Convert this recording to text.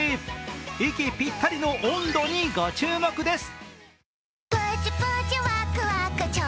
息ぴったりの音頭にご注目です。